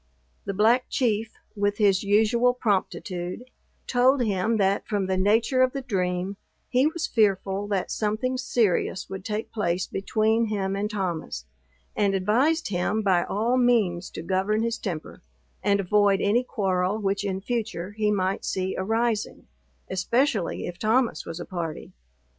The Black Chief, with his usual promptitude, told him, that from the nature of the dream, he was fearful that something serious would take place between him and Thomas; and advised him by all means to govern his temper, and avoid any quarrel which in future he might see arising, especially if Thomas was a party.